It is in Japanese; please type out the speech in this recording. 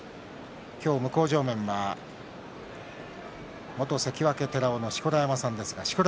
今日、向正面は元関脇寺尾の錣山さんです。